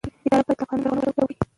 اداره باید د قانون له سرغړونې ډډه وکړي.